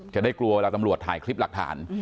จะได้กลัวเวลาตำรวจถ่ายคลิปหลักฐาน